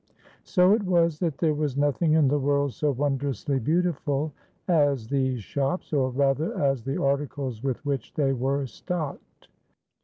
So it was that there was nothing in the world so won drously beautiful as these shops, or rather as the articles with which they were stocked.